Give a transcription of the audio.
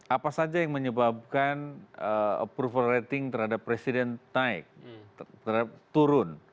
apa saja yang menyebabkan approval rating terhadap presiden naik turun